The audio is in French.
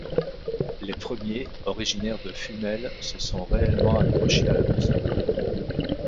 Les premiers, originaires de Fumel, se sont réellement accrochés à la besogne.